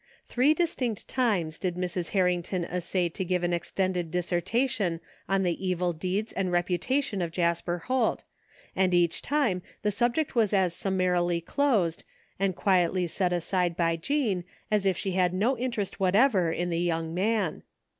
Three distinct times did Mrs. Har rington essay to give an extended dissertation on the evil deeds and reputation of Jasper Holt, and each time the subject was as summarily closed, and quietly set aside by Jean as if she had no interest whatever in the young man.